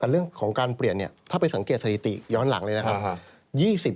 แต่เรื่องของการเปลี่ยนเนี่ยถ้าไปสังเกตสถิติย้อนหลังเลยนะครับ